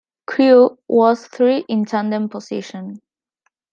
Crew was three in tandem position.